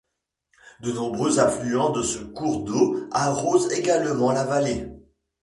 De nombreux affluents de ce cours d'eau arrosent également la vallée.